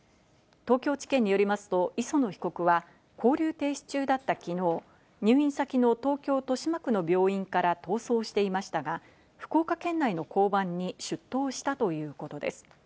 東京地検によりますと、磯野被告は勾留停止中だった昨日、入院先の東京・豊島区の病院から逃走していましたが、福岡県内の交番に出頭したということです。